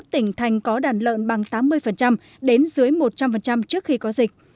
một mươi tỉnh thành có đàn lợn bằng tám mươi đến dưới một trăm linh trước khi có dịch